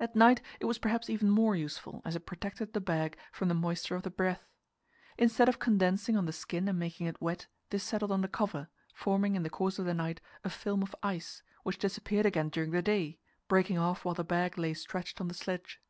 At night it was perhaps even more useful, as it protected the bag from the moisture of the breath. Instead of condensing on the skin and making it wet, this settled on the cover, forming in the course of the night a film of ice, which disappeared again during the day, breaking off while the bag ay stretched on the sledge.